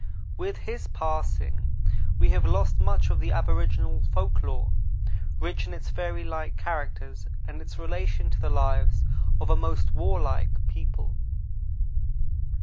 With his passing we have lost much of the aboriginal folk lore, rich in its fairy like characters, and its relation to the lives of a most warlike people.